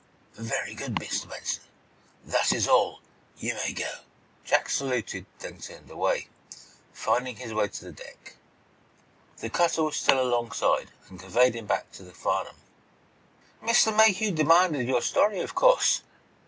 "Very good, Mr. Benson. That is all. You may go." Jack saluted, then turned away, finding his way to the deck. The cutter was still alongside, and conveyed him back to the "Farnum." "Mr. Mayhew demanded your story, of course?"